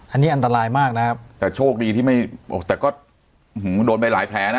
อันนี้อันตรายมากนะครับแต่โชคดีที่ไม่แต่ก็โดนไปหลายแผลนะ